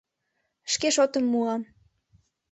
Шке шотым муам.